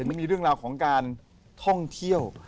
ไม่มีเรื่องราวของการท่องเที่ยว